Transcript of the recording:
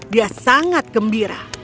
dia sangat gembira